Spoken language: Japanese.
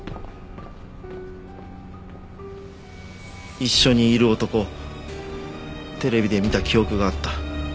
一緒にいる男テレビで見た記憶があった。